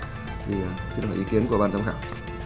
thì xin lỗi ý kiến của ban giám khảo